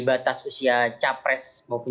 batas usia capres maupun